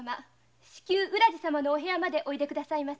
至急浦路様のお部屋までおいでくださいませ。